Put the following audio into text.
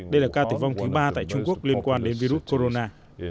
đây là ca tử vong thứ ba tại trung quốc liên quan đến virus corona